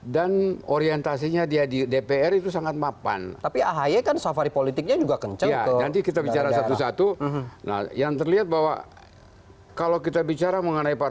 dan orientasinya dia di dpr itu sangat mapan